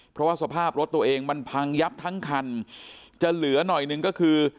เพราะว่าสภาพรถตัวเองมันพังยับทั้งคันจะเหลือหน่อยหนึ่งก็คือ